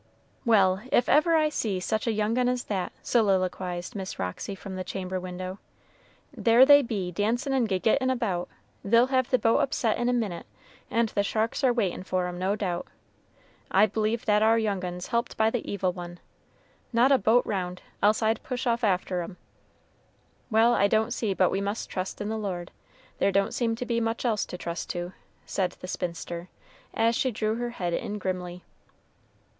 "Well, if ever I see such a young un as that," soliloquized Miss Roxy from the chamber window; "there they be, dancin' and giggitin' about; they'll have the boat upset in a minit, and the sharks are waitin' for 'em, no doubt. I b'lieve that ar young un's helped by the Evil One, not a boat round, else I'd push off after 'em. Well, I don't see but we must trust in the Lord, there don't seem to be much else to trust to," said the spinster, as she drew her head in grimly.